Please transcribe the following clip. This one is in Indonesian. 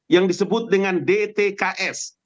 yang disebut dengan dtks